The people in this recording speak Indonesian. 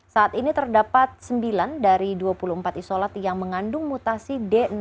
saat ini terdapat sembilan dari dua puluh empat isolat yang mengandung mutasi d enam